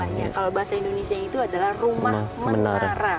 biasanya kalau bahasa indonesia itu adalah rumah menara